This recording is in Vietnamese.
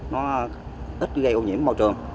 nó ít gây ô nhiễm môi trường